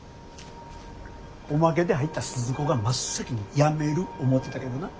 おまけで入った鈴子が真っ先にやめる思うてたけどな。